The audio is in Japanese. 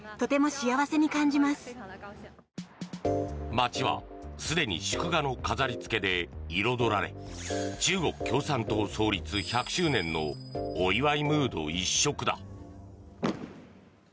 街はすでに祝賀の飾りつけで彩られ中国共産党創立１００周年のお祝いムード一色だ。